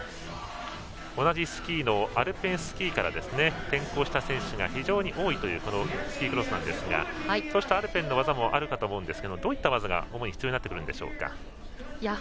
同じスキーのアルペンスキーから転向した選手が非常に多いというスキークロスですがアルペンの技もあると思うんですがどういった技が主に必要になってくるんでしょうか。